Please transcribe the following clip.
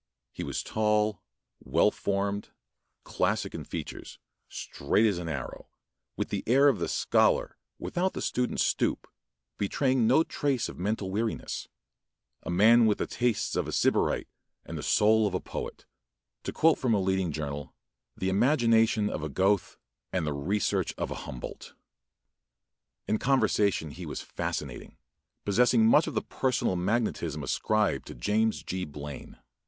He was tall, well formed, classic in features, straight as an arrow, with the air of the scholar without the student's stoop, betraying no trace of mental weariness a man with the tastes of a sybarite and the soul of a poet; to quote from a leading journal, "the imagination of a Goethe and the research of a Humboldt." In conversation he was fascinating, possessing much of the personal magnetism ascribed to James G. Blaine.